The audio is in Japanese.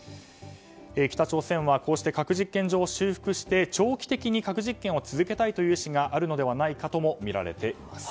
北朝鮮は核実験場を修復して長期的に核実験を続けたいという意思があるのではないかともみられています。